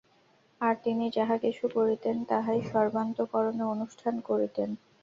আর তিনি যাহা কিছু করিতেন, তাহাই সর্বান্তঃকরণে অনুষ্ঠান করিতেন।